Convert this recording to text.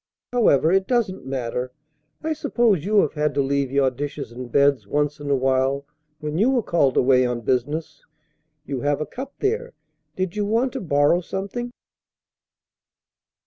However, it doesn't matter. I suppose you have had to leave your dishes and beds once in a while when you were called away on business. You have a cup there; did you want to borrow something?"